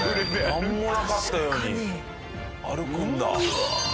なんもなかったように歩くんだ。